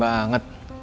dia pasti seneng